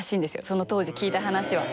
その当時聞いた話は。